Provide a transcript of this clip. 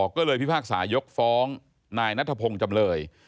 ก็เลยพิพากษายกฟ้องนายนัทพงศ์จำเลย